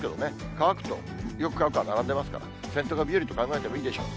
乾くとよく乾くが並んでますから、洗濯日和と考えていいでしょう。